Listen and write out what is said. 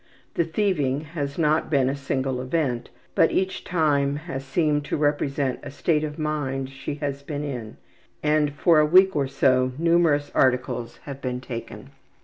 The thieving has not been a single event, but each time has seemed to represent a state of mind she has been in, and for a week or so numerous articles have been taken.